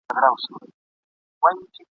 د حاجتونو جوابونه لیکي ..